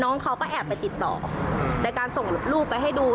น้องเขาก็แอบไปติดต่อในการส่งรูปไปให้ดู